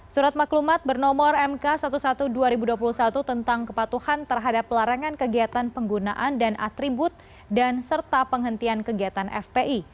surat maklumat bernomor mk satu satu dua ribu dua puluh satu tentang kepatuhan terhadap larangan kegiatan penggunaan dan atribut dan serta penghentian kegiatan fpi